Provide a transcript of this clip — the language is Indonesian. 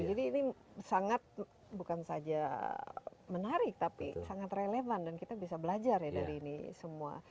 jadi ini sangat bukan saja menarik tapi sangat relevan dan kita bisa belajar ya dari ini semua